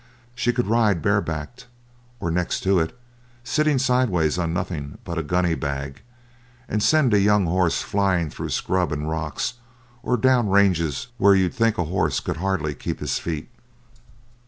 She could ride barebacked, or next to it, sitting sideways on nothing but a gunny bag, and send a young horse flying through scrub and rocks, or down ranges where you'd think a horse could hardly keep his feet.